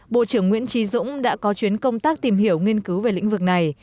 bộ trưởng nguyễn trí dũng đã có chuyến công tác tìm hiểu nghiên cứu về lĩnh vực này